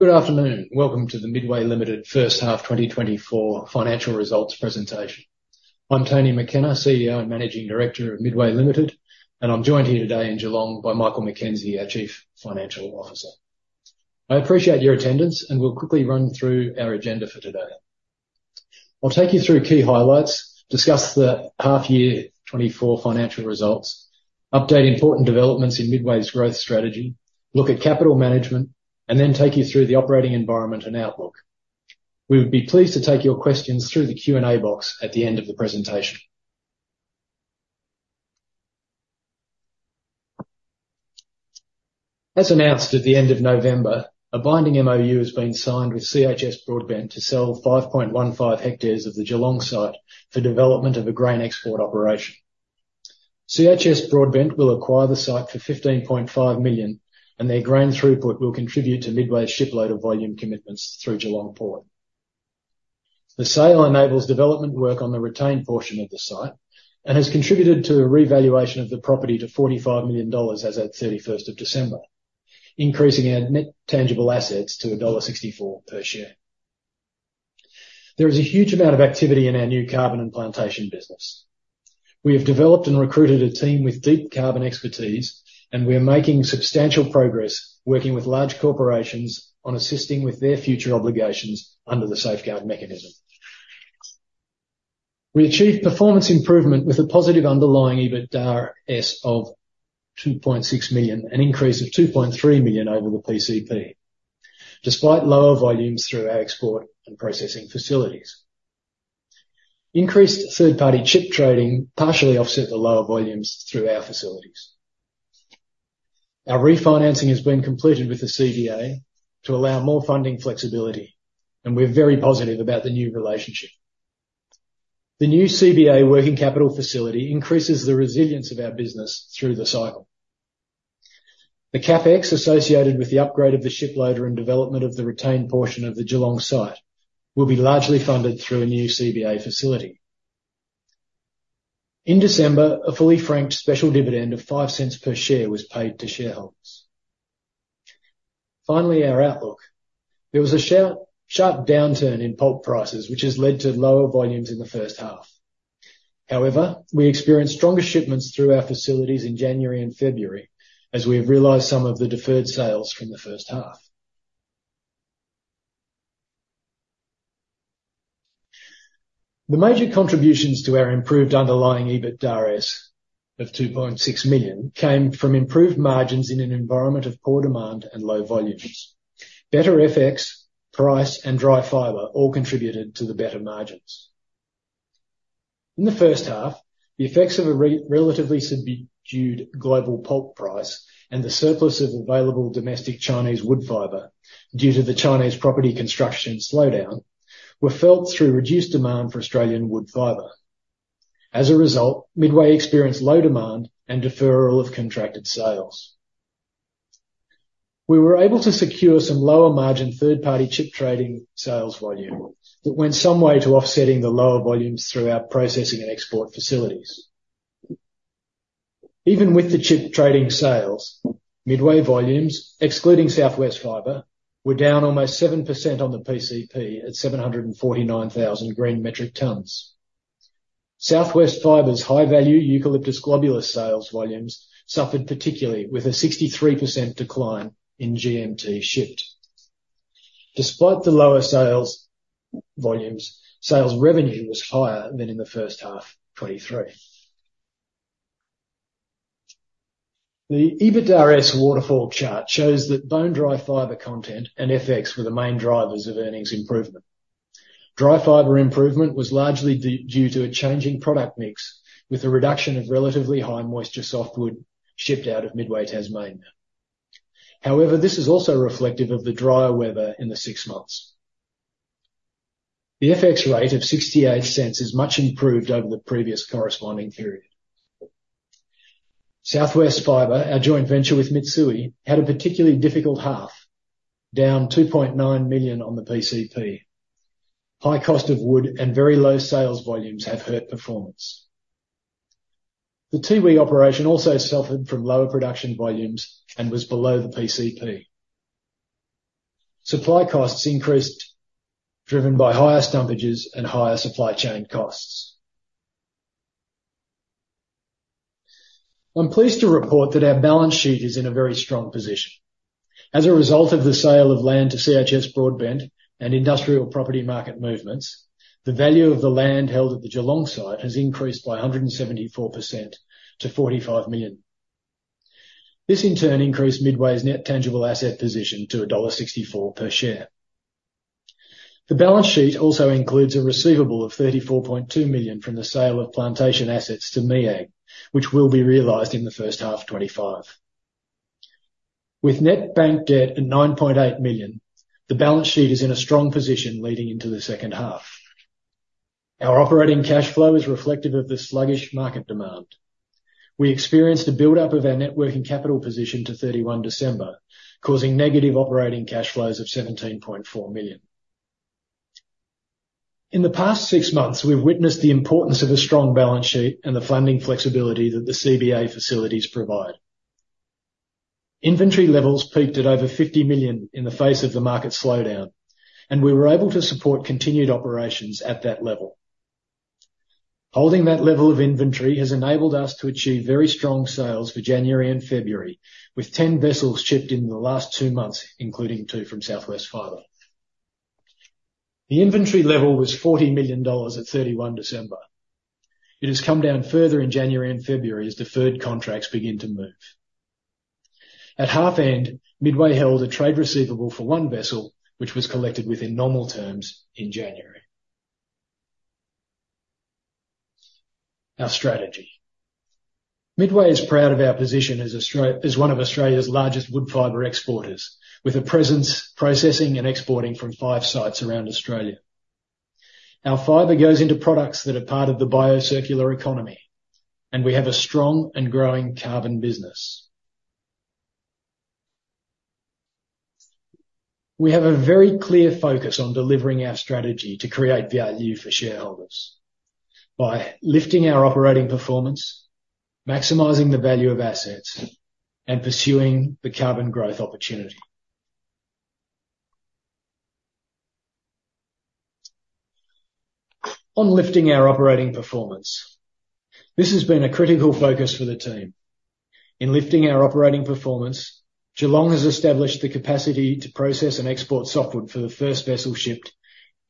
Good afternoon. Welcome to the Midway Limited first half 2024 financial results presentation. I'm Tony McKenna, CEO and Managing Director of Midway Limited, and I'm joined here today in Geelong by Michael McKenzie, our Chief Financial Officer. I appreciate your attendance, and we'll quickly run through our agenda for today. I'll take you through key highlights, discuss the half-year 2024 financial results, update important developments in Midway's growth strategy, look at capital management, and then take you through the operating environment and outlook. We would be pleased to take your questions through the Q&A box at the end of the presentation. As announced at the end of November, a binding MOU has been signed with CHS Broadbent to sell 5.15 hectares of the Geelong site for development of a grain export operation. CHS Broadbent will acquire the site for 15.5 million, and their grain throughput will contribute to Midway's shiploader of volume commitments through Geelong Port. The sale enables development work on the retained portion of the site and has contributed to a revaluation of the property to 45 million dollars as of 31 December, increasing our net tangible assets to dollar 1.64 per share. There is a huge amount of activity in our new carbon and plantation business. We have developed and recruited a team with deep carbon expertise, and we are making substantial progress working with large corporations on assisting with their future obligations under the Safeguard mechanism. We achieved performance improvement with a positive underlying EBITDA of 2.6 million, an increase of 2.3 million over the PCP, despite lower volumes through our export and processing facilities. Increased third-party chip trading partially offset the lower volumes through our facilities. Our refinancing has been completed with the CBA to allow more funding flexibility, and we're very positive about the new relationship. The new CBA working capital facility increases the resilience of our business through the cycle. The CapEx associated with the upgrade of the shiploader and development of the retained portion of the Geelong site will be largely funded through a new CBA facility. In December, a fully franked special dividend of 0.05 per share was paid to shareholders. Finally, our outlook. There was a sharp downturn in pulp prices, which has led to lower volumes in the first half. However, we experienced stronger shipments through our facilities in January and February as we have realized some of the deferred sales from the first half. The major contributions to our improved underlying EBITDA of 2.6 million came from improved margins in an environment of poor demand and low volumes. Better FX, price, and dry fibre all contributed to the better margins. In the first half, the effects of a relatively subdued global pulp price and the surplus of available domestic Chinese wood fibre due to the Chinese property construction slowdown were felt through reduced demand for Australian wood fibre. As a result, Midway experienced low demand and deferral of contracted sales. We were able to secure some lower margin third-party chip trading sales volume that went some way to offsetting the lower volumes through our processing and export facilities. Even with the chip trading sales, Midway volumes, excluding South West Fibre, were down almost 7% on the PCP at 749,000 green metric tons. South West Fibre's high-value Eucalyptus globulus sales volumes suffered particularly with a 63% decline in GMT shipped. Despite the lower sales volumes, sales revenue was higher than in the first half 2023. The EBITDA waterfall chart shows that bone-dry fiber content and FX were the main drivers of earnings improvement. Dry fiber improvement was largely due to a changing product mix with a reduction of relatively high moisture softwood shipped out of Midway Tasmania. However, this is also reflective of the drier weather in the six months. The FX rate of 0.68 is much improved over the previous corresponding period. South West Fibre, our joint venture with Mitsui, had a particularly difficult half, down 2.9 million on the PCP. The Tiwi operation also suffered from lower production volumes and was below the PCP. Supply costs increased driven by higher stumpages and higher supply chain costs. I'm pleased to report that our balance sheet is in a very strong position. As a result of the sale of land to CHS Broadbent and industrial property market movements, the value of the land held at the Geelong site has increased by 174% to 45 million. This, in turn, increased Midway's net tangible asset position to dollar 1.64 per share. The balance sheet also includes a receivable of 34.2 million from the sale of plantation assets to MEAG, which will be realized in the first half 2025. With net bank debt at 9.8 million, the balance sheet is in a strong position leading into the second half. Our operating cash flow is reflective of the sluggish market demand. We experienced a buildup of our net working capital position to 31 December, causing negative operating cash flows of 17.4 million. In the past six months, we've witnessed the importance of a strong balance sheet and the funding flexibility that the CBA facilities provide. Inventory levels peaked at over 50 million in the face of the market slowdown, and we were able to support continued operations at that level. Holding that level of inventory has enabled us to achieve very strong sales for January and February, with 10 vessels shipped in the last two months, including two from South West Fibre. The inventory level was 40 million dollars at 31 December. It has come down further in January and February as deferred contracts begin to move. At half end, Midway held a trade receivable for one vessel, which was collected within normal terms in January. Our strategy. Midway is proud of our position as one of Australia's largest wood fibre exporters, with a presence processing and exporting from five sites around Australia. Our fibre goes into products that are part of the bio-circular economy, and we have a strong and growing carbon business. We have a very clear focus on delivering our strategy to create value for shareholders by lifting our operating performance, maximizing the value of assets, and pursuing the carbon growth opportunity. On lifting our operating performance, this has been a critical focus for the team. In lifting our operating performance, Geelong has established the capacity to process and export softwood for the first vessel shipped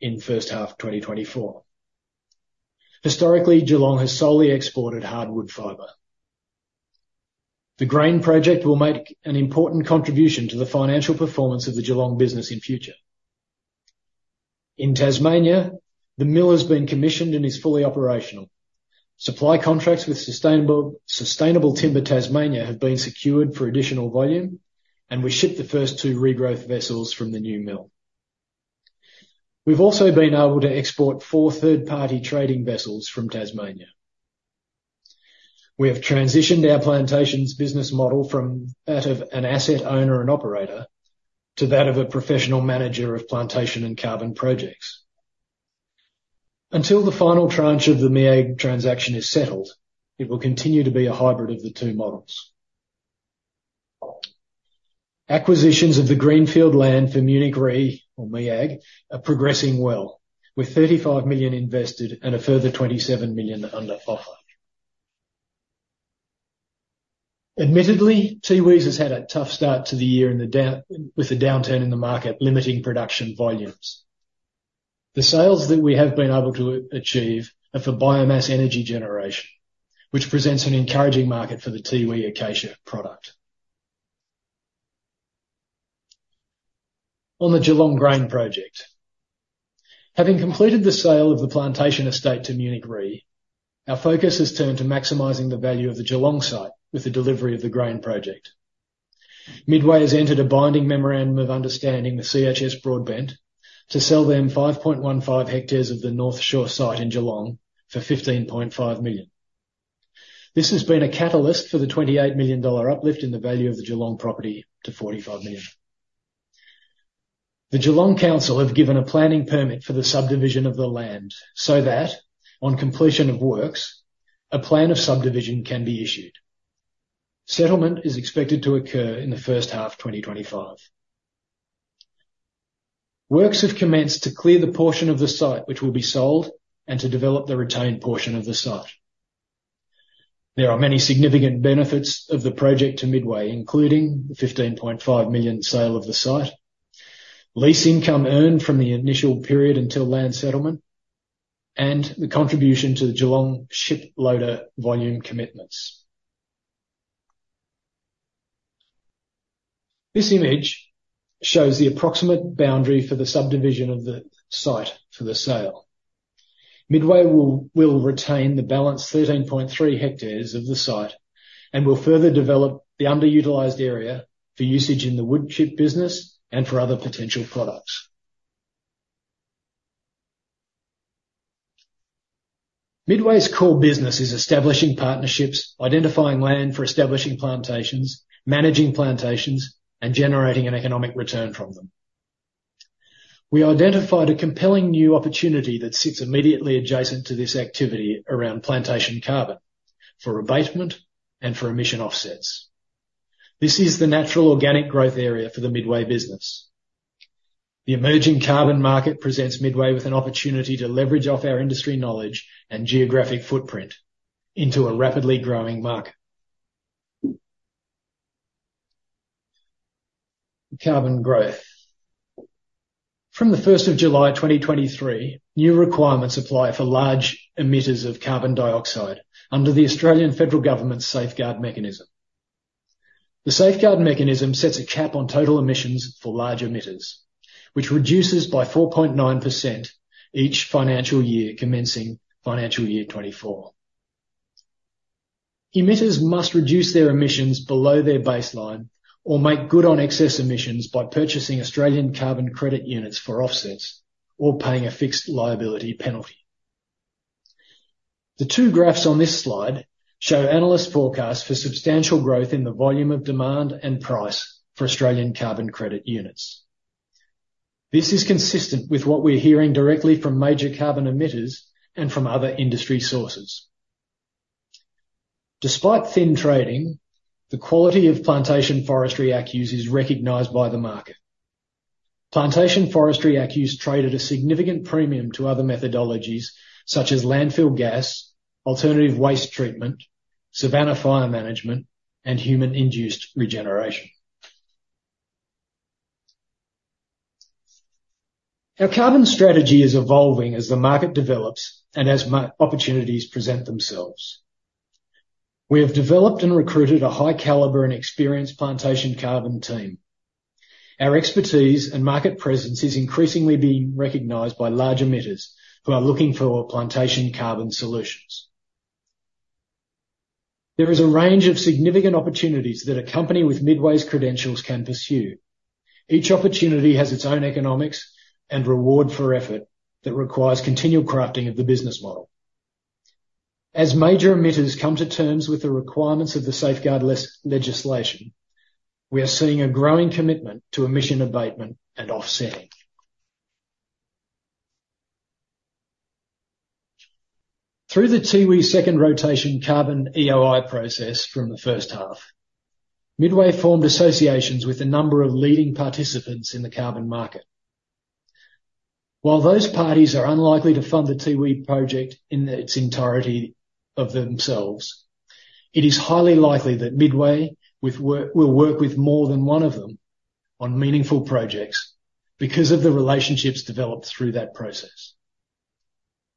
in first half 2024. Historically, Geelong has solely exported hardwood fibre. The grain project will make an important contribution to the financial performance of the Geelong business in future. In Tasmania, the mill has been commissioned and is fully operational. Supply contracts with Sustainable Timber Tasmania have been secured for additional volume, and we shipped the first 2 regrowth vessels from the new mill. We've also been able to export 4 third-party trading vessels from Tasmania. We have transitioned our plantation's business model from that of an asset owner and operator to that of a professional manager of plantation and carbon projects. Until the final tranche of the MEAG transaction is settled, it will continue to be a hybrid of the two models. Acquisitions of the greenfield land for Munich Re, or MEAG, are progressing well, with 35 million invested and a further 27 million under offer. Admittedly, Tiwi's has had a tough start to the year with a downturn in the market limiting production volumes. The sales that we have been able to achieve are for biomass energy generation, which presents an encouraging market for the Tiwi acacia product. On the Geelong grain project. Having completed the sale of the plantation estate to Munich Re, our focus has turned to maximizing the value of the Geelong site with the delivery of the grain project. Midway has entered a binding Memorandum of Understanding with CHS Broadbent to sell them 5.15 hectares of the North Shore site in Geelong for 15.5 million. This has been a catalyst for the 28 million dollar uplift in the value of the Geelong property to 45 million. The Geelong Council have given a planning permit for the subdivision of the land so that, on completion of works, a plan of subdivision can be issued. Settlement is expected to occur in the first half 2025. Works have commenced to clear the portion of the site which will be sold and to develop the retained portion of the site. There are many significant benefits of the project to Midway, including the 15.5 million sale of the site, lease income earned from the initial period until land settlement, and the contribution to the Geelong shiploader volume commitments. This image shows the approximate boundary for the subdivision of the site for the sale. Midway will retain the balance 13.3 hectares of the site and will further develop the underutilized area for usage in the wood chip business and for other potential products. Midway's core business is establishing partnerships, identifying land for establishing plantations, managing plantations, and generating an economic return from them. We identified a compelling new opportunity that sits immediately adjacent to this activity around plantation carbon for abatement and for emission offsets. This is the natural organic growth area for the Midway business. The emerging carbon market presents Midway with an opportunity to leverage off our industry knowledge and geographic footprint into a rapidly growing market. Carbon growth. From the 1st of July 2023, new requirements apply for large emitters of carbon dioxide under the Australian Federal Government's Safeguard mechanism. The Safeguard mechanism sets a cap on total emissions for large emitters, which reduces by 4.9% each financial year commencing financial year 2024. Emitters must reduce their emissions below their baseline or make good on excess emissions by purchasing Australian carbon credit units for offsets or paying a fixed liability penalty. The two graphs on this slide show analyst forecasts for substantial growth in the volume of demand and price for Australian carbon credit units. This is consistent with what we're hearing directly from major carbon emitters and from other industry sources. Despite thin trading, the quality of Plantation Forestry ACCUs is recognized by the market. Plantation Forestry ACCUs traded a significant premium to other methodologies such as landfill gas, alternative waste treatment, savanna fire management, and human-induced regeneration. Our carbon strategy is evolving as the market develops and as opportunities present themselves. We have developed and recruited a high caliber and experienced plantation carbon team. Our expertise and market presence is increasingly being recognized by large emitters who are looking for plantation carbon solutions. There is a range of significant opportunities that a company with Midway's credentials can pursue. Each opportunity has its own economics and reward for effort that requires continual crafting of the business model. As major emitters come to terms with the requirements of the Safeguard legislation, we are seeing a growing commitment to emission abatement and offsetting. Through the Tiwi second rotation carbon EOI process from the first half, Midway formed associations with a number of leading participants in the carbon market. While those parties are unlikely to fund the Tiwi project in its entirety of themselves, it is highly likely that Midway will work with more than one of them on meaningful projects because of the relationships developed through that process.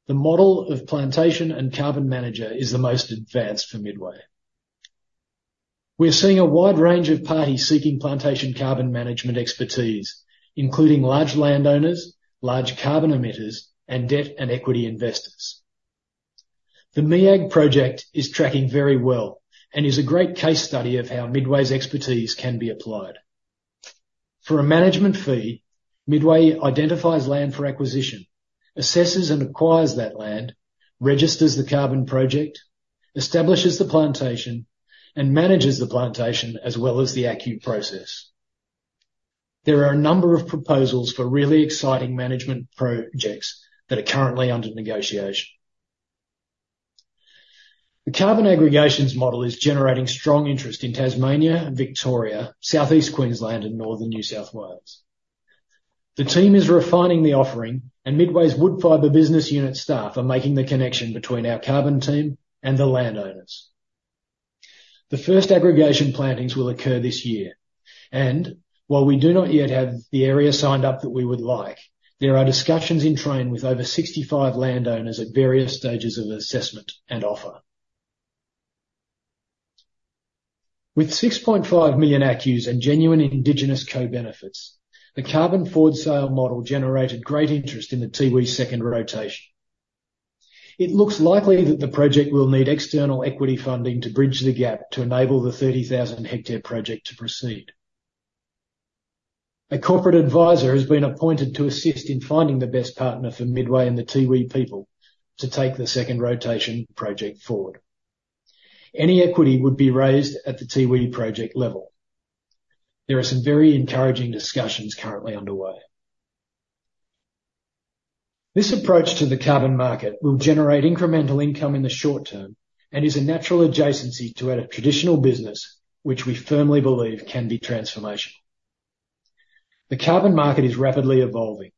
The model of plantation and carbon manager is the most advanced for Midway. We are seeing a wide range of parties seeking plantation carbon management expertise, including large landowners, large carbon emitters, and debt and equity investors. The MEAG project is tracking very well and is a great case study of how Midway's expertise can be applied. For a management fee, Midway identifies land for acquisition, assesses and acquires that land, registers the carbon project, establishes the plantation, and manages the plantation as well as the ACCU process. There are a number of proposals for really exciting management projects that are currently under negotiation. The carbon aggregations model is generating strong interest in Tasmania, Victoria, Southeast Queensland, and northern New South Wales. The team is refining the offering, and Midway's wood fibre business unit staff are making the connection between our carbon team and the landowners. The first aggregation plantings will occur this year, and while we do not yet have the area signed up that we would like, there are discussions in train with over 65 landowners at various stages of assessment and offer. With 6.5 million ACCUs and genuine indigenous co-benefits, the carbon forward sale model generated great interest in the Tiwi second rotation. It looks likely that the project will need external equity funding to bridge the gap to enable the 30,000 hectare project to proceed. A corporate adviser has been appointed to assist in finding the best partner for Midway and the Tiwi people to take the second rotation project forward. Any equity would be raised at the Tiwi project level. There are some very encouraging discussions currently underway. This approach to the carbon market will generate incremental income in the short term and is a natural adjacency to a traditional business which we firmly believe can be transformational. The carbon market is rapidly evolving,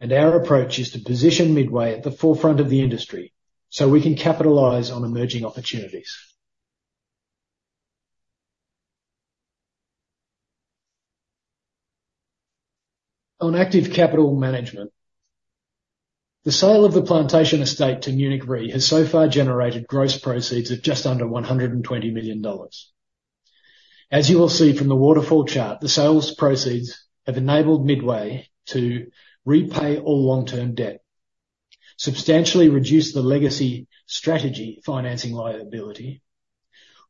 and our approach is to position Midway at the forefront of the industry so we can capitalize on emerging opportunities. On active capital management, the sale of the plantation estate to Munich Re has so far generated gross proceeds of just under 120 million dollars. As you will see from the waterfall chart, the sales proceeds have enabled Midway to repay all long-term debt, substantially reduce the legacy strategy financing liability,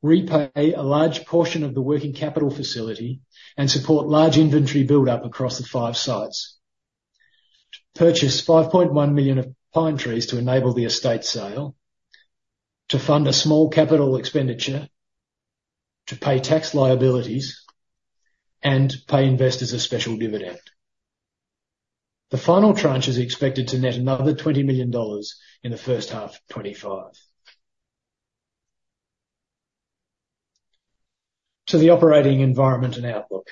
repay a large portion of the working capital facility, and support large inventory buildup across the five sites, purchase 5.1 million of pine trees to enable the estate sale, to fund a small capital expenditure, to pay tax liabilities, and pay investors a special dividend. The final tranche is expected to net another 20 million dollars in the first half 2025. To the operating environment and outlook.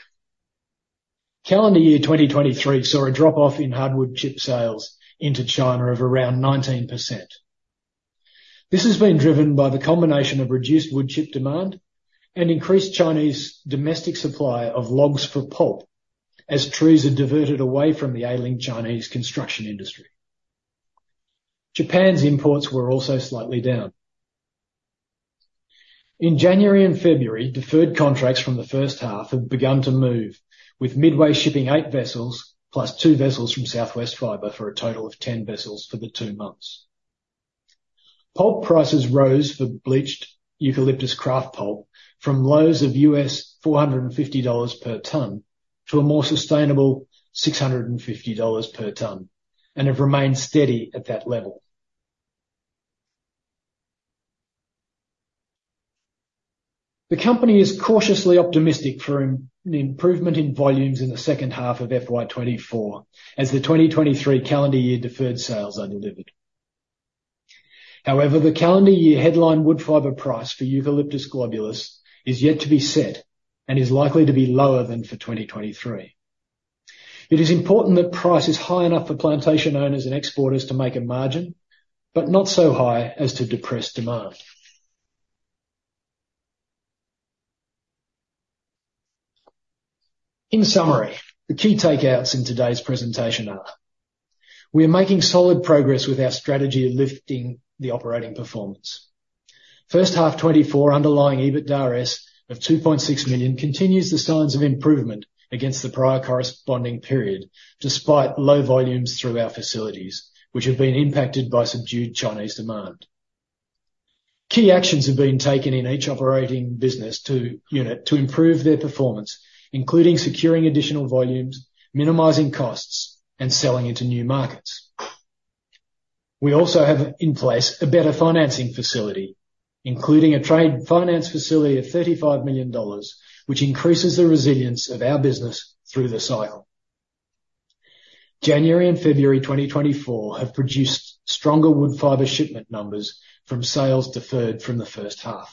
Calendar year 2023 saw a drop-off in hardwood chip sales into China of around 19%. This has been driven by the combination of reduced wood chip demand and increased Chinese domestic supply of logs for pulp as trees are diverted away from the ailing Chinese construction industry. Japan's imports were also slightly down. In January and February, deferred contracts from the first half have begun to move, with Midway shipping 8 vessels plus 2 vessels from South West Fibre for a total of 10 vessels for the two months. Pulp prices rose for bleached Eucalyptus kraft pulp from lows of $450 per tonne to a more sustainable $650 per tonne and have remained steady at that level. The company is cautiously optimistic for an improvement in volumes in the second half of FY2024 as the 2023 calendar year deferred sales are delivered. However, the calendar year headline wood fiber price for Eucalyptus globulus is yet to be set and is likely to be lower than for 2023. It is important that price is high enough for plantation owners and exporters to make a margin, but not so high as to depress demand. In summary, the key takeouts in today's presentation are: we are making solid progress with our strategy of lifting the operating performance. First half 2024 underlying EBITDA-S of 2.6 million continues the signs of improvement against the prior corresponding period despite low volumes through our facilities, which have been impacted by subdued Chinese demand. Key actions have been taken in each operating unit to improve their performance, including securing additional volumes, minimizing costs, and selling into new markets. We also have in place a better financing facility, including a trade finance facility of 35 million dollars, which increases the resilience of our business through the cycle. January and February 2024 have produced stronger wood fibre shipment numbers from sales deferred from the first half.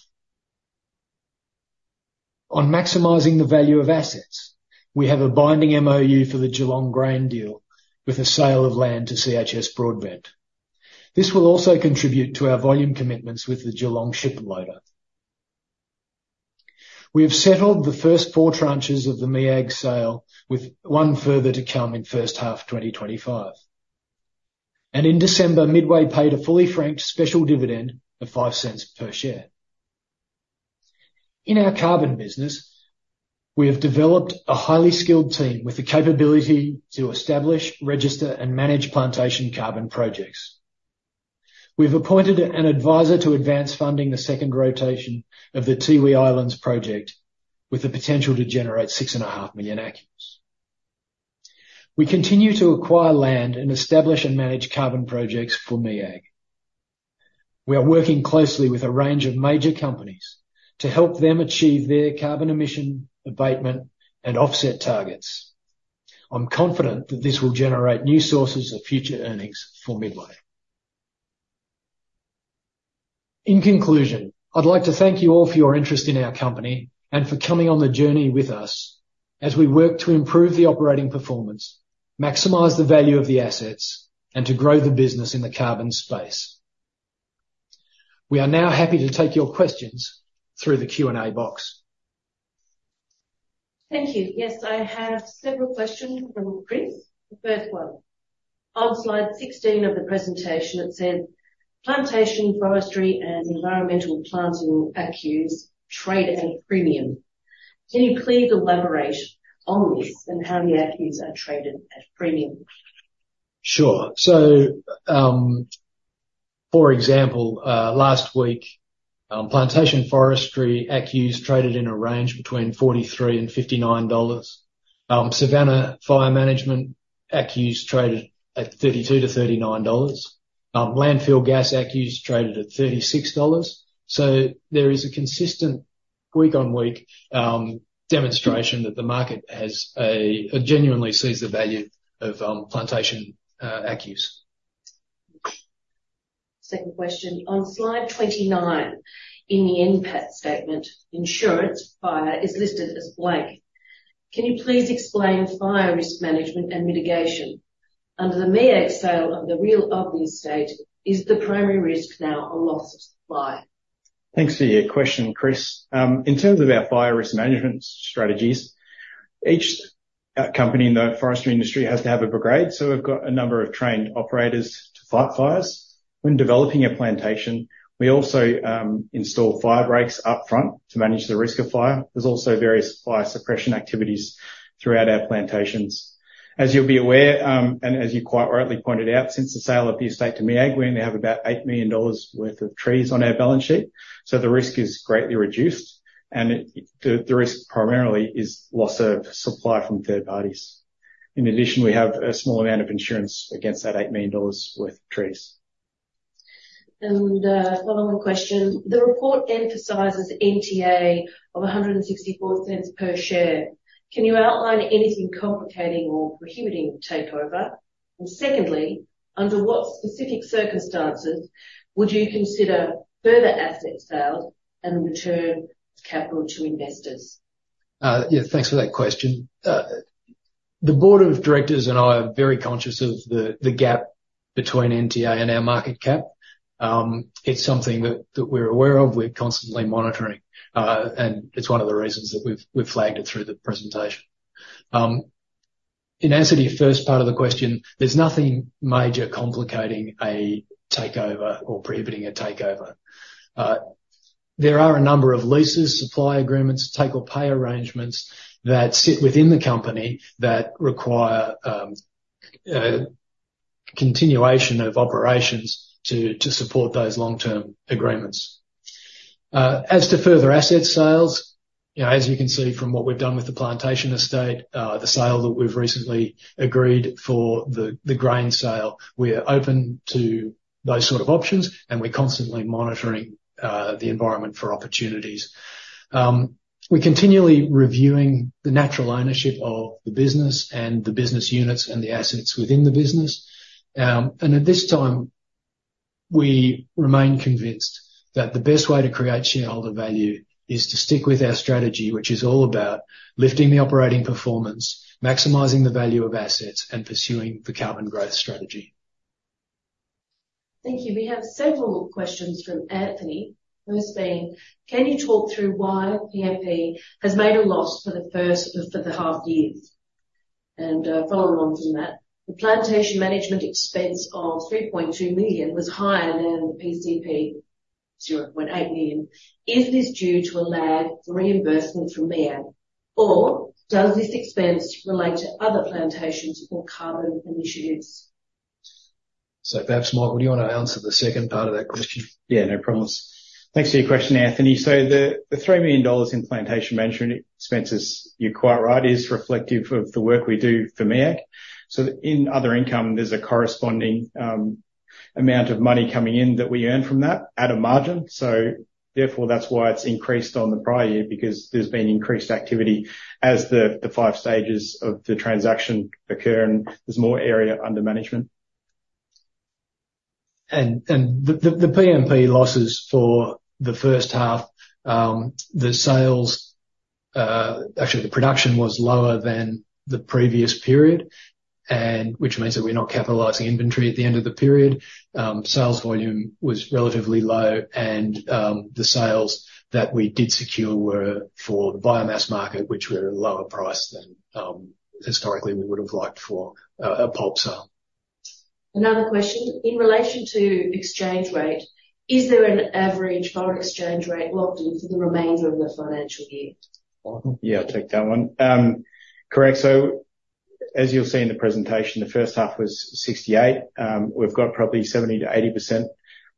On maximising the value of assets, we have a binding MOU for the Geelong grain deal with a sale of land to CHS Broadbent. This will also contribute to our volume commitments with the Geelong shiploader. We have settled the first 4 tranches of the MEAG sale, with one further to come in first half 2025. In December, Midway paid a fully franked special dividend of 0.05 per share. In our carbon business, we have developed a highly skilled team with the capability to establish, register, and manage plantation carbon projects. We have appointed an adviser to advance funding the second rotation of the Tiwi Islands project with the potential to generate 6.5 million ACCUs. We continue to acquire land and establish and manage carbon projects for MEAG. We are working closely with a range of major companies to help them achieve their carbon emission abatement and offset targets. I am confident that this will generate new sources of future earnings for Midway. In conclusion, I would like to thank you all for your interest in our company and for coming on the journey with us as we work to improve the operating performance, maximize the value of the assets, and to grow the business in the carbon space. We are now happy to take your questions through the Q&A box. Thank you. Yes, I have several questions from Chris. The first one, on slide 16 of the presentation, it says, "Plantation Forestry and Environmental Planting ACCUs trade at a premium." Can you please elaborate on this and how the ACCUs are traded at a premium? Sure. So, for example, last week, Plantation Forestry ACCUs traded in a range between 43 and 59 dollars. Savanna fire management ACCUs traded at 32-39 dollars. Landfill gas ACCUs traded at 36 dollars. So there is a consistent week-on-week demonstration that the market genuinely sees the value of plantation ACCUs. Second question. On slide 29 in the NPAT statement, insurance fire is listed as blank. Can you please explain fire risk management and mitigation? Under the MEAG sale of the plantation estate, is the primary risk now a loss of supply? Thanks for your question, Chris. In terms of our fire risk management strategies, each company, though, forestry industry has to have a brigade. So we've got a number of trained operators to fight fires. When developing a plantation, we also install fire breaks upfront to manage the risk of fire. There's also various fire suppression activities throughout our plantations. As you'll be aware and as you quite rightly pointed out, since the sale of the estate to MEAG, we only have about 8 million dollars worth of trees on our balance sheet. So the risk is greatly reduced, and the risk primarily is loss of supply from third parties. In addition, we have a small amount of insurance against that 8 million worth of trees. Follow-on question. The report emphasizes NTA of 1.64 per share. Can you outline anything complicating or prohibiting takeover? And secondly, under what specific circumstances would you consider further asset sales and return capital to investors? Yeah, thanks for that question. The board of directors and I are very conscious of the gap between NTA and our market cap. It's something that we're aware of. We're constantly monitoring, and it's one of the reasons that we've flagged it through the presentation. In answer to your first part of the question, there's nothing major complicating a takeover or prohibiting a takeover. There are a number of leases, supply agreements, take-or-pay arrangements that sit within the company that require continuation of operations to support those long-term agreements. As to further asset sales, as you can see from what we've done with the plantation estate, the sale that we've recently agreed for the grain sale, we are open to those sort of options, and we're constantly monitoring the environment for opportunities. We're continually reviewing the natural ownership of the business and the business units and the assets within the business. At this time, we remain convinced that the best way to create shareholder value is to stick with our strategy, which is all about lifting the operating performance, maximizing the value of assets, and pursuing the carbon growth strategy. Thank you. We have several questions from Anthony. First being, "Can you talk through why PMP has made a loss for the first half year?" Following on from that, "The plantation management expense of 3.2 million was higher than the PCP's 0.8 million. Is this due to a lag for reimbursement from MEAG, or does this expense relate to other plantations or carbon initiatives? Perhaps, Mike, would you want to answer the second part of that question? Yeah, no problem. Thanks for your question, Anthony. So the 3 million dollars in plantation management expenses, you're quite right, is reflective of the work we do for MEAG. So in other income, there's a corresponding amount of money coming in that we earn from that at a margin. So therefore, that's why it's increased on the prior year because there's been increased activity as the 5 stages of the transaction occur and there's more area under management. The PMP losses for the first half, the sales actually, the production was lower than the previous period, which means that we're not capitalizing inventory at the end of the period. Sales volume was relatively low, and the sales that we did secure were for the biomass market, which were lower priced than historically we would have liked for a pulp sale. Another question. "In relation to exchange rate, is there an average foreign exchange rate locked in for the remainder of the financial year? Yeah, take that one. Correct. So as you'll see in the presentation, the first half was 0.68. We've got probably 70-80%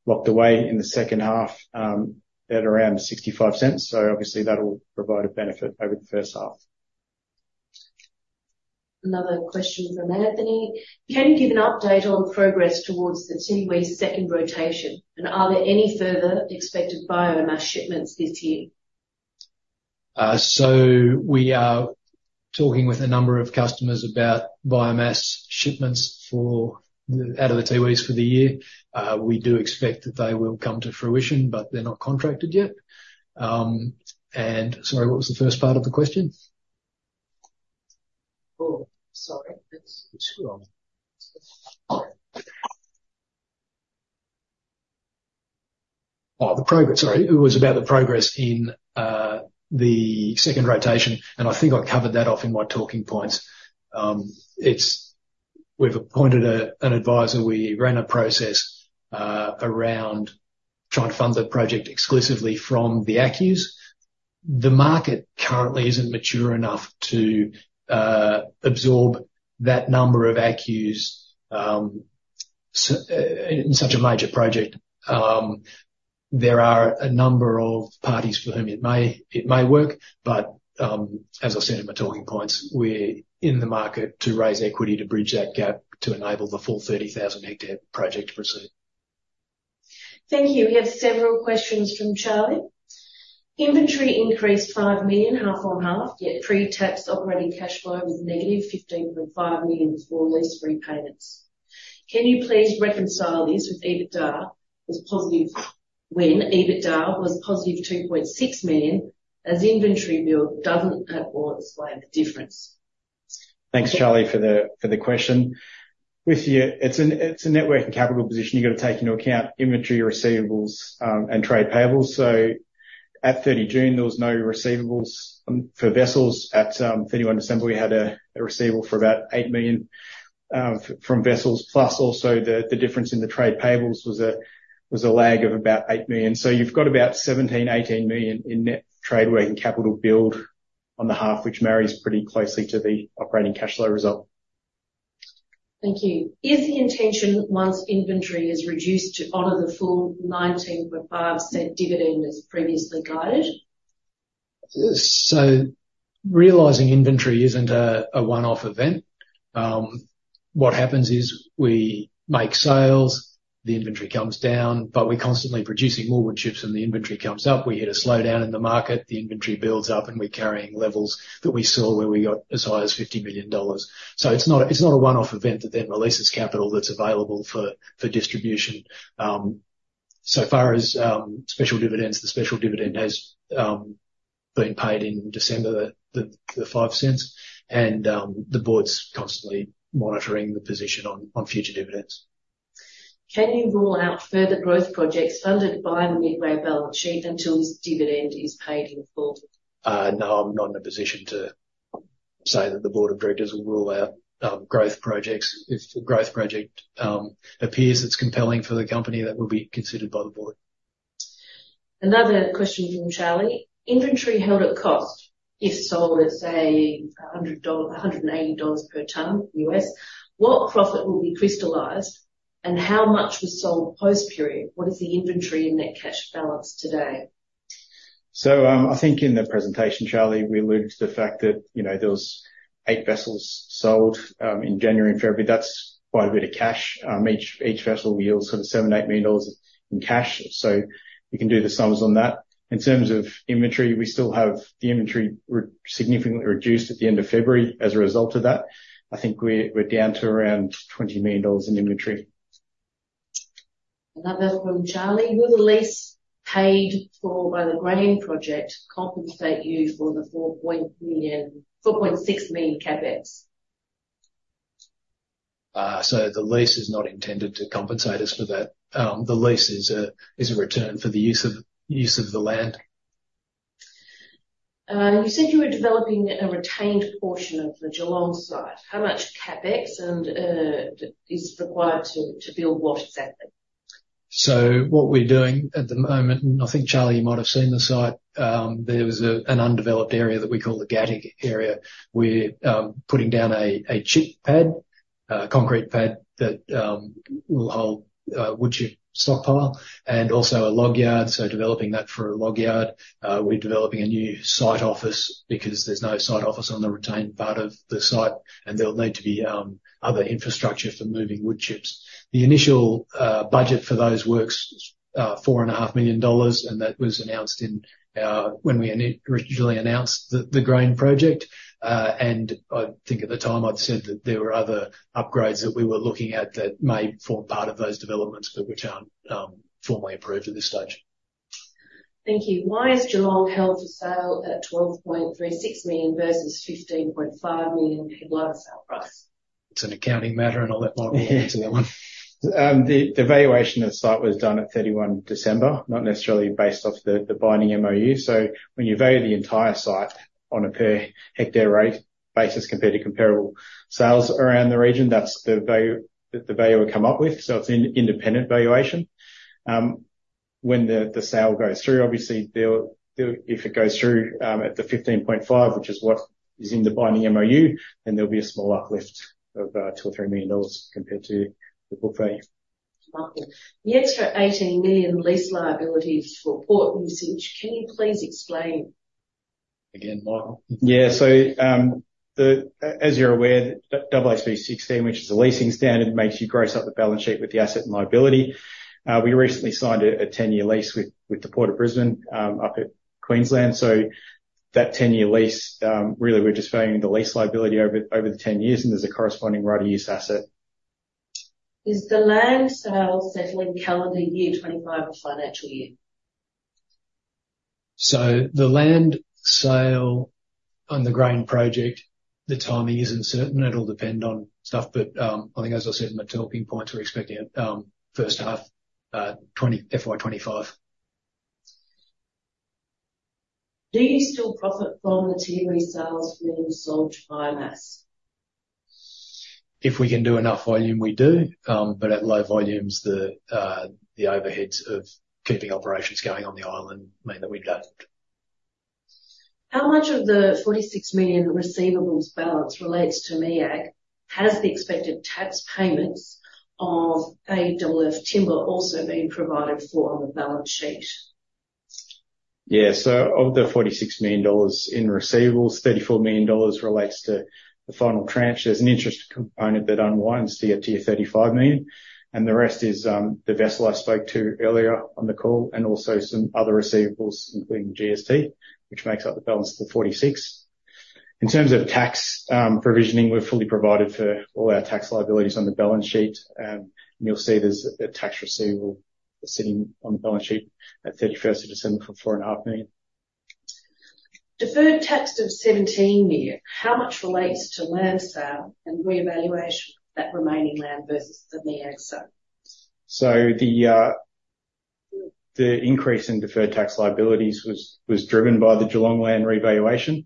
locked away in the second half at around 0.65. So obviously, that'll provide a benefit over the first half. Another question from Anthony. "Can you give an update on progress towards the Tiwi second rotation, and are there any further expected biomass shipments this year? So we are talking with a number of customers about biomass shipments out of the Tiwi Islands for the year. We do expect that they will come to fruition, but they're not contracted yet. Sorry, what was the first part of the question? Oh, sorry. The progress. Sorry. It was about the progress in the second rotation, and I think I covered that off in my talking points. We've appointed an adviser. We ran a process around trying to fund the project exclusively from the ACCUs. The market currently isn't mature enough to absorb that number of ACCUs in such a major project. There are a number of parties for whom it may work, but as I said in my talking points, we're in the market to raise equity to bridge that gap to enable the full 30,000-hectare project to proceed. Thank you. We have several questions from Charlie. "Inventory increased 5 million, half on half, yet pre-tax operating cash flow was negative 15.5 million for lease repayments. Can you please reconcile this with EBITDA when EBITDA was positive 2.6 million as inventory build doesn't at all explain the difference? Thanks, Charlie, for the question. With you, it's a net working capital position. You've got to take into account inventory receivables and trade payables. So at 30 June, there was no receivables for vessels. At 31 December, we had a receivable for about 8 million from vessels. Plus also, the difference in the trade payables was a lag of about 8 million. So you've got about 17-18 million in net trade working capital build on the half, which marries pretty closely to the operating cash flow result. Thank you. "Is the intention once inventory is reduced to honor the full AUD 0.195 dividend as previously guided? Realizing inventory isn't a one-off event. What happens is we make sales, the inventory comes down, but we're constantly producing more wood chips, and the inventory comes up. We hit a slowdown in the market, the inventory builds up, and we're carrying levels that we saw where we got as high as 50 million dollars. So it's not a one-off event that then releases capital that's available for distribution. So far as special dividends, the special dividend has been paid in December, 0.05, and the board's constantly monitoring the position on future dividends. Can you rule out further growth projects funded by the Midway balance sheet until this dividend is paid in full? No, I'm not in a position to say that the board of directors will rule out growth projects if a growth project appears that's compelling for the company that will be considered by the board. Another question from Charlie. "Inventory held at cost if sold at, say, $180 per tonne US, what profit will be crystallised, and how much was sold post-period? What is the inventory and net cash balance today? I think in the presentation, Charlie, we alluded to the fact that there was eight vessels sold in January, February. That's quite a bit of cash. Each vessel yields sort of 7-8 million dollars in cash. You can do the sums on that. In terms of inventory, we still have the inventory significantly reduced at the end of February as a result of that. I think we're down to around 20 million dollars in inventory. Another from Charlie. "Will the lease paid for by the grain project compensate you for the 4.6 million CapEx? So the lease is not intended to compensate us for that. The lease is a return for the use of the land. You said you were developing a retained portion of the Geelong site. How much CapEx is required to build what exactly? So what we're doing at the moment and I think, Charlie, you might have seen the site. There was an undeveloped area that we call the Gattyck area. We're putting down a chip pad, a concrete pad that will hold wood chip stockpile, and also a log yard. So developing that for a log yard. We're developing a new site office because there's no site office on the retained part of the site, and there'll need to be other infrastructure for moving wood chips. The initial budget for those works is 4.5 million dollars, and that was announced when we originally announced the grain project. And I think at the time, I'd said that there were other upgrades that we were looking at that may form part of those developments but which aren't formally approved at this stage. Thank you. "Why is Geelong held for sale at 12.36 million versus 15.5 million head-load of sale price? An accounting matter, and I'll let Mike roll onto that one. The valuation of the site was done at 31 December, not necessarily based off the binding MOU. So when you value the entire site on a per-hectare rate basis compared to comparable sales around the region, that's the value we come up with. So it's an independent valuation. When the sale goes through, obviously, if it goes through at the 15.5, which is what is in the binding MOU, then there'll be a small uplift of 2 million-3 million dollars compared to the book value. Michael, the extra 18 million lease liabilities for port usage, can you please explain? Again, Michael? Yeah. So as you're aware, AASB 16, which is the leasing standard, makes you gross up the balance sheet with the asset and liability. We recently signed a 10-year lease with the Port of Brisbane up at Queensland. So that 10-year lease, really, we're just valuing the lease liability over the 10 years, and there's a corresponding right-of-use asset. Is the land sale settling calendar year 2025 of the financial year? So the land sale on the grain project, the timing isn't certain. It'll depend on stuff. But I think, as I said in my talking points, we're expecting first half FY25. Do you still profit from the Tiwi sales when sold biomass? If we can do enough volume, we do. But at low volumes, the overheads of keeping operations going on the island mean that we've done it. How much of the 46 million receivables balance relates to MEAG? Has the expected tax payments of AFF timber also been provided for on the balance sheet? Yeah. So of the 46 million dollars in receivables, 34 million dollars relates to the final tranche. There's an interest component that unwinds to get to your 35 million. And the rest is the vessel I spoke to earlier on the call and also some other receivables, including GST, which makes up the balance of the 46. In terms of tax provisioning, we're fully provided for all our tax liabilities on the balance sheet. And you'll see there's a tax receivable sitting on the balance sheet at 31st of December for 4.5 million. Deferred tax of 17 million, how much relates to land sale and revaluation of that remaining land versus the MEAG sale? The increase in deferred tax liabilities was driven by the Geelong land revaluation.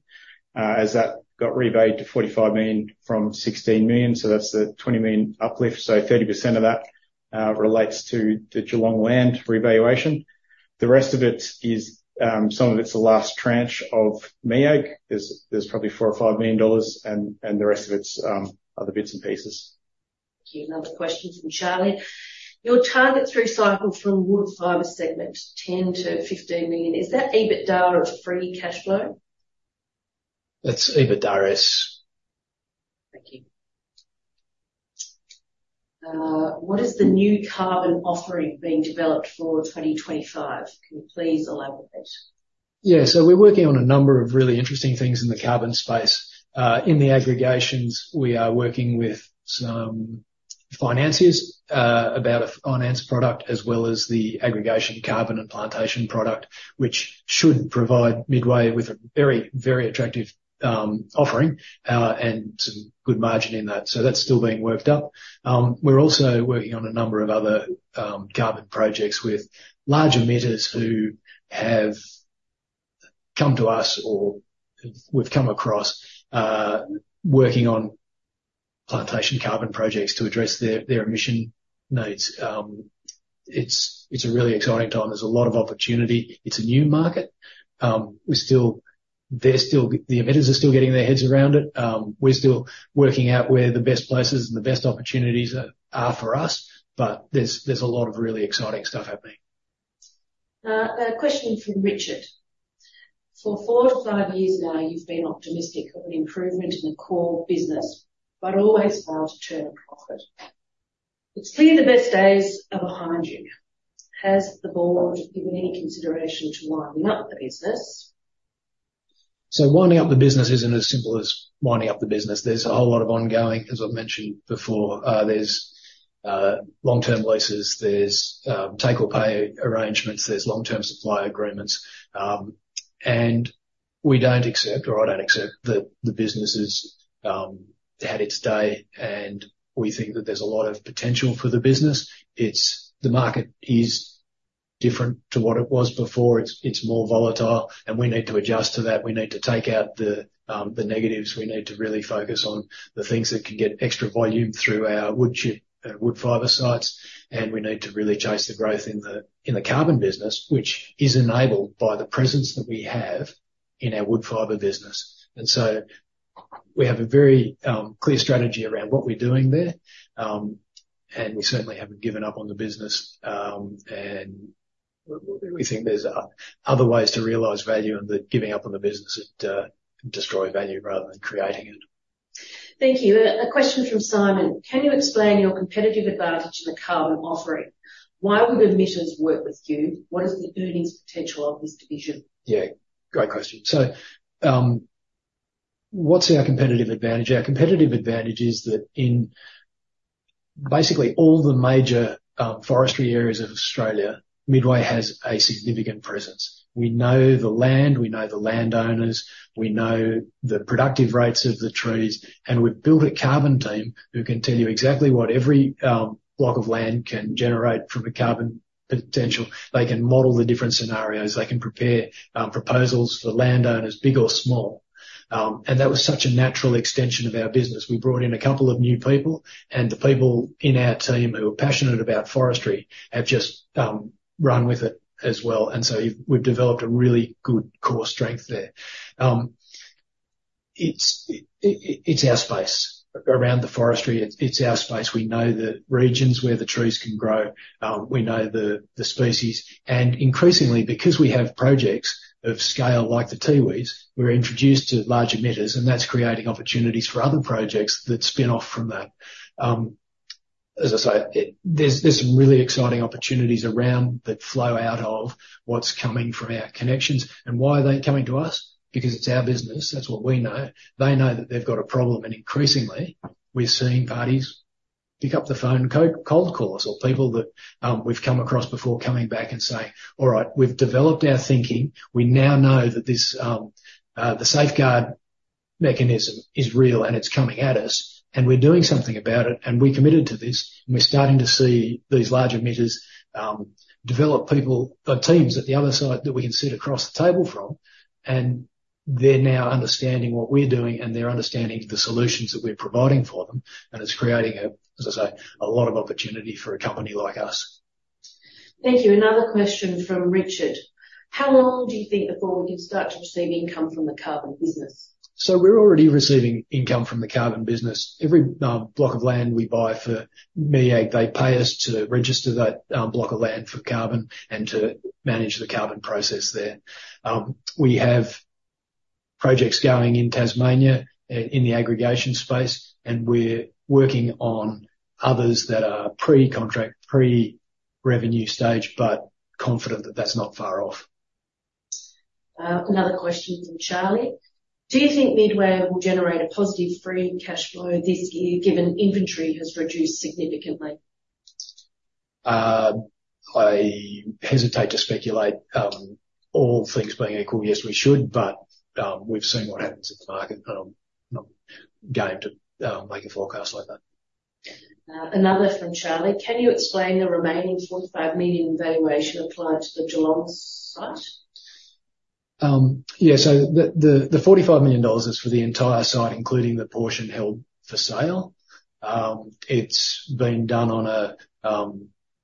As that got revalued to 45 million from 16 million, so that's the 20 million uplift. 30% of that relates to the Geelong land revaluation. The rest of it is some of it's the last tranche of MEAG. There's probably 4 million or 5 million dollars, and the rest of it's other bits and pieces. Thank you. Another question from Charlie. "Your target through cycle from wood fiber segment, 10 million-15 million, is that EBITDA of free cash flow? That's EBITDA S. Thank you. "What is the new carbon offering being developed for 2025? Can you please elaborate? Yeah. So we're working on a number of really interesting things in the carbon space. In the aggregations, we are working with some financiers about a finance product as well as the aggregation carbon and plantation product, which should provide Midway with a very, very attractive offering and some good margin in that. So that's still being worked up. We're also working on a number of other carbon projects with large emitters who have come to us or we've come across working on plantation carbon projects to address their emission needs. It's a really exciting time. There's a lot of opportunity. It's a new market. The emitters are still getting their heads around it. We're still working out where the best places and the best opportunities are for us, but there's a lot of really exciting stuff happening. A question from Richard. "For 4-5 years now, you've been optimistic of an improvement in the core business but always failed to turn a profit. It's clear the best days are behind you. Has the board given any consideration to winding up the business? So winding up the business isn't as simple as winding up the business. There's a whole lot of ongoing, as I've mentioned before. There's long-term leases. There's take-or-pay arrangements. There's long-term supply agreements. And we don't accept or I don't accept that the business has had its day, and we think that there's a lot of potential for the business. The market is different to what it was before. It's more volatile, and we need to adjust to that. We need to take out the negatives. We need to really focus on the things that can get extra volume through our woodchip and woodfiber sites. And we need to really chase the growth in the carbon business, which is enabled by the presence that we have in our woodfiber business. And so we have a very clear strategy around what we're doing there, and we certainly haven't given up on the business. And we think there's other ways to realize value in giving up on the business that destroy value rather than creating it. Thank you. A question from Simon. "Can you explain your competitive advantage in the carbon offering? Why would emitters work with you? What is the earnings potential of this division? Yeah. Great question. So what's our competitive advantage? Our competitive advantage is that in basically all the major forestry areas of Australia, Midway has a significant presence. We know the land. We know the landowners. We know the productive rates of the trees. And we've built a carbon team who can tell you exactly what every block of land can generate from a carbon potential. They can model the different scenarios. They can prepare proposals for landowners, big or small. And that was such a natural extension of our business. We brought in a couple of new people, and the people in our team who are passionate about forestry have just run with it as well. And so we've developed a really good core strength there. It's our space around the forestry. It's our space. We know the regions where the trees can grow. We know the species. And increasingly, because we have projects of scale like the Tiwis, we're introduced to large emitters, and that's creating opportunities for other projects that spin off from that. As I say, there's some really exciting opportunities around that flow out of what's coming from our connections. And why are they coming to us? Because it's our business. That's what we know. They know that they've got a problem. And increasingly, we're seeing parties pick up the phone, cold call us, or people that we've come across before coming back and saying, "All right. We've developed our thinking. We now know that the Safeguard mechanism is real, and it's coming at us, and we're doing something about it. And we're committed to this. And we're starting to see these large emitters develop teams at the other side that we can sit across the table from. They're now understanding what we're doing, and they're understanding the solutions that we're providing for them. It's creating, as I say, a lot of opportunity for a company like us. Thank you. Another question from Richard. "How long do you think the board will start to receive income from the carbon business? We're already receiving income from the carbon business. Every block of land we buy for MEAG, they pay us to register that block of land for carbon and to manage the carbon process there. We have projects going in Tasmania in the aggregation space, and we're working on others that are pre-contract, pre-revenue stage, but confident that that's not far off. Another question from Charlie. "Do you think Midway will generate a positive free cash flow this year given inventory has reduced significantly? I hesitate to speculate. All things being equal, yes, we should, but we've seen what happens in the market. I'm not game to make a forecast like that. Another from Charlie. "Can you explain the remaining 45 million valuation applied to the Geelong site? Yeah. So the AUD 45 million is for the entire site, including the portion held for sale. It's been done on a,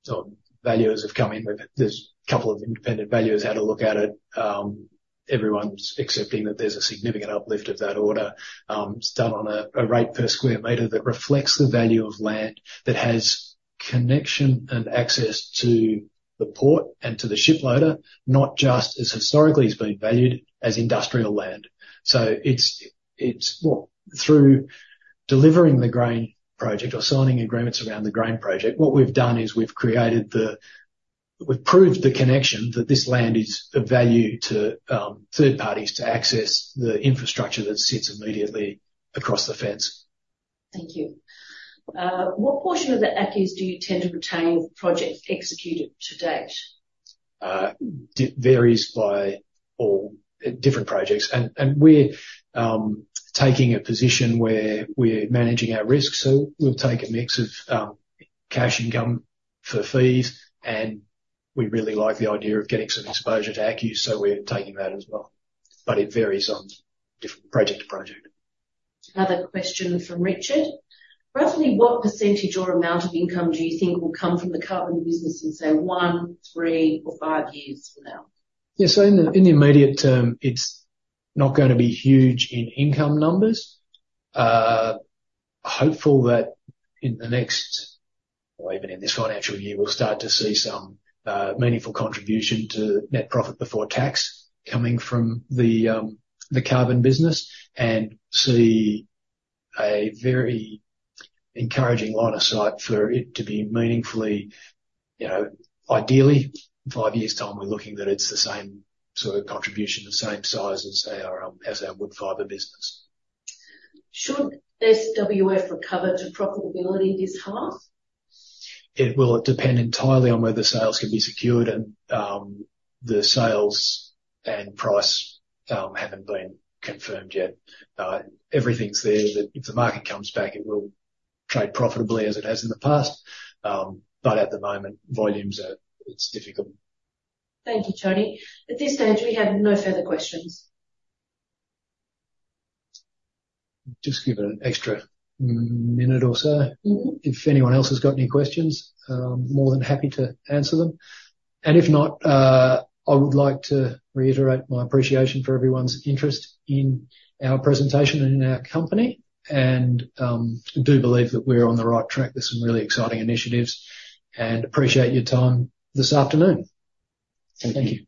so valuers have come in with; there's a couple of independent valuers had a look at it. Everyone's accepting that there's a significant uplift of that order. It's done on a rate per square meter that reflects the value of land that has connection and access to the port and to the shiploader, not just as historically it's been valued as industrial land. So through delivering the grain project or signing agreements around the grain project, what we've done is we've created the we've proved the connection that this land is of value to third parties to access the infrastructure that sits immediately across the fence. Thank you. "What portion of the acres do you tend to retain with projects executed to date? It varies by different projects. We're taking a position where we're managing our risks. We'll take a mix of cash income for fees, and we really like the idea of getting some exposure to acres, so we're taking that as well. It varies on project to project. Another question from Richard. "Roughly, what percentage or amount of income do you think will come from the carbon business in, say, one, three, or five years from now? Yeah. So in the immediate term, it's not going to be huge in income numbers. Hopeful that in the next or even in this financial year, we'll start to see some meaningful contribution to net profit before tax coming from the carbon business and see a very encouraging line of sight for it to be meaningfully ideally, in five years' time, we're looking that it's the same sort of contribution, the same size as our wood-fiber business. Should SWF recover to profitability this half? It will. It depends entirely on where the sales can be secured. The sales and price haven't been confirmed yet. Everything's there that if the market comes back, it will trade profitably as it has in the past. But at the moment, volumes, it's difficult. Thank you, Tony. At this stage, we have no further questions. Just give it an extra minute or so. If anyone else has got any questions, more than happy to answer them. And if not, I would like to reiterate my appreciation for everyone's interest in our presentation and in our company and do believe that we're on the right track. There's some really exciting initiatives. And appreciate your time this afternoon. Thank you.